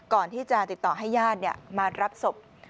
ก่อนที่จะติดต่อให้ญาติมารับศพ